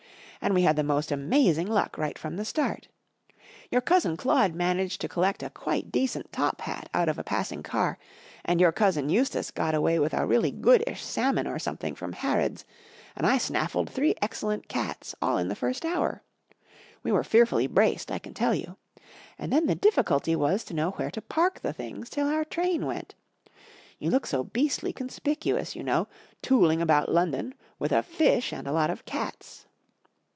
And we had the mo^t amazing luck right from the start. Your cousin Claude managed to collect a quite decent top hat out of a passing car, and your cousin Eustace got aw r ay with a really goodish salmon or something from Harrods, and I snaffled three excellent cats all in the first hour. We were fearfully braced, I can tell you. And then the difficulty was to know wTiere to park the things till our train w'ent. You look so beastly conspicuous, you know, tooling about London with a fish and a lot of cats.